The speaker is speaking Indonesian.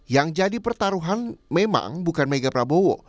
yang jadi pertaruhan memang bukan mega prabowo